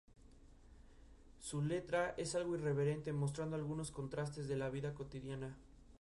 Sin embargo, los txuri-urdin perdieron cinco partidos y empataron uno, quedando eliminados.